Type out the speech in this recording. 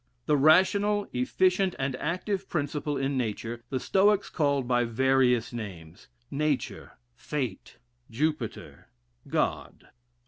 The rational, efficient, and active principle in nature, the Stoics called by various names: Nature, fate, Jupiter, God.